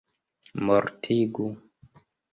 mortigu